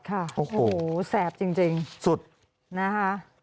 ค่ะโอ้โหแสบจริงสุดนะคะ